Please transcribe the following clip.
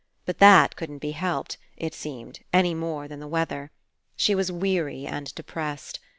But that couldn't be helped, it seemed, any more than the weather. She was weary and depressed.